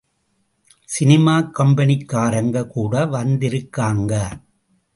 Cinema கம்பெனிக்காரங்க கூட வந்திருக்காங்க.